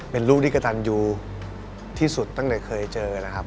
เป็นลูกที่กระตันยูที่สุดตั้งแต่เคยเจอนะครับ